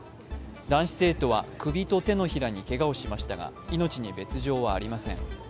男子生徒は首と手のひらにけがをしましたが命に別状はありません。